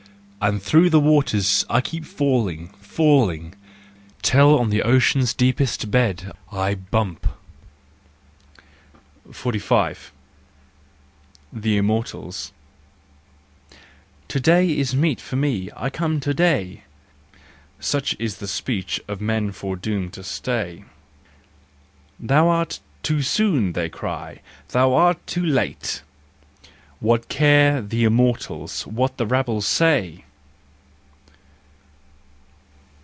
— And through the waters I keep falling, falling, Till on the ocean's deepest bed I bump. 45 The Immortals . u To day is meet for me, I come to day,'' Such is the speech of men foredoomed to stay. " Thou art too soon," they cry, " thou art too late," What care the Immortals what the rabble say?